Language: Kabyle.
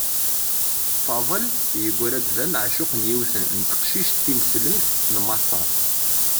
Faḍel yegra-d d ameεcuq n yiwet n teqcict timeslemt n Maṣer.